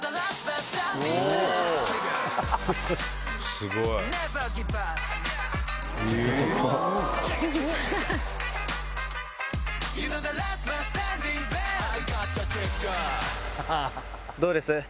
すごい！どうです？